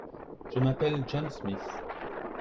Je m'appelle John Smith.